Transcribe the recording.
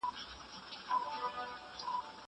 زه به سبا د ښوونځی لپاره تياری وکړم!!